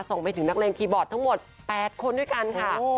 ส่งไปถึงนักเลงคีย์บอร์ดทั้งหมด๘คนด้วยกันค่ะ